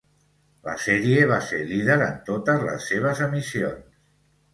La sèrie va ser líder en totes les seves emissions.